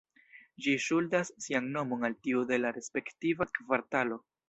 Ĝi ŝuldas sian nomon al tiu de la respektiva kvartalo.